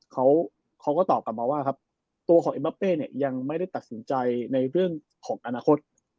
เขาก็ตอบกลับมาว่าครับตัวของเอ็บเป้เนี่ยยังไม่ได้ตัดสินใจในเรื่องของอนาคต